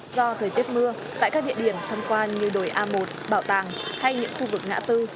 do thời tiết mưa tại các địa điểm thăm quan như đồi a một bảo tàng hay những khu vực ngã tư